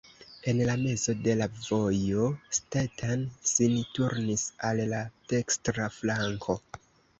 En la mezo de la vojo Stetten sin turnis al la dekstra flanko.